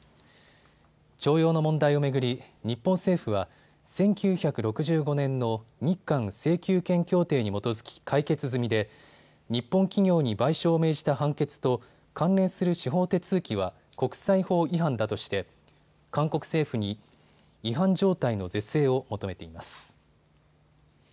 徴用の問題を巡り、日本政府は１９６５年の日韓請求権協定に基づき解決済みで日本企業に賠償を命じた判決と関連する司法手続きは国際法違反だとして韓国政府に違反状態の是正を求めています。